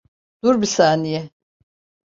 Dur bir saniye.